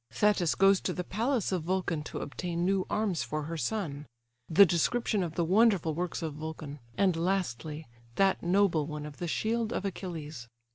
Thetis goes to the palace of Vulcan to obtain new arms for her son. The description of the wonderful works of Vulcan: and, lastly, that noble one of the shield of Achilles.